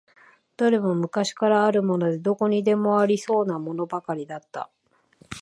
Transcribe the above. どれも昔からあるもので、どこにでもありそうなものばかりだった。